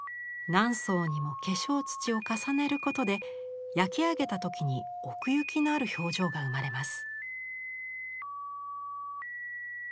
何層にも化粧土を重ねることで焼き上げた時に奥行きのある表情が生まれます。